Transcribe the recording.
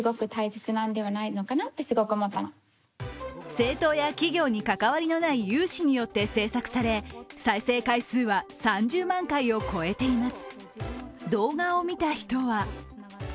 政党や企業に関わりのない有志によって制作され再生回数は３０万回を超えています。